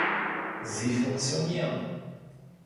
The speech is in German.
Sie funktionieren.